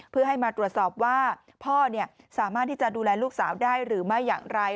เพื่อให้มาตรวจสอบว่าพ่อสามารถที่จะดูแลลูกสาวได้หรือไม่อย่างไร